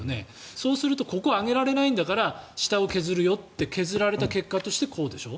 そうするとここを上げられないんだから下を削るよって削られた結果としてこうでしょ。